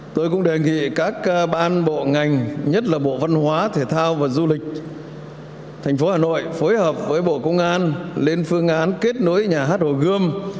tôi cũng đề nghị các ban bộ ngành nhất là bộ văn hóa thể thao và du lịch thành phố hà nội phối hợp với bộ công an lên phương án kết nối nhà hát hồ gươm